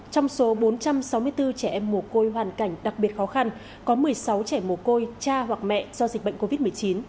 trong số bốn trăm sáu mươi bốn trẻ em mồ côi hoàn cảnh đặc biệt khó khăn có một mươi sáu trẻ mồ côi cha hoặc mẹ do dịch bệnh covid một mươi chín